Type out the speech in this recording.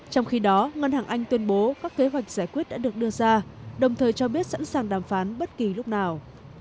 trong khi đó ngân hàng anh tuyên bố các kế hoạch giải quyết đã được đưa ra đồng thời cho biết sẵn sàng đàm phán bất kỳ lúc nào